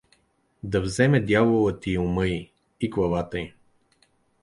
… Да вземе дяволът и ума й, и главата й.